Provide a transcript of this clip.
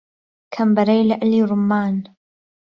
کەمبەرهی لعلى ڕوممان